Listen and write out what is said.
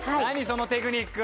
そのテクニック。